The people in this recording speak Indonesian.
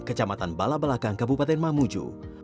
kecamatan balabalakang kabupaten mamuju